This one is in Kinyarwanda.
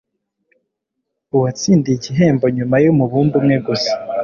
uwatsindiye igihembo nyuma yumubumbe umwe gusa